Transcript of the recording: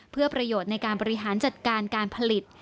เพื่อประโยชน์ในการบริหารจัดการการผลิต